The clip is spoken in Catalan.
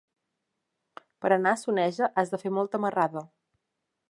Per anar a Soneja has de fer molta marrada.